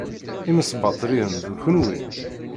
Imesbaṭliyen d kenwi.